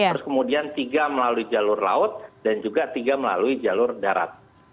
terus kemudian tiga melalui jalur laut dan juga tiga melalui jalur darat